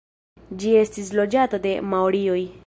Ĝi estis loĝata de maorioj.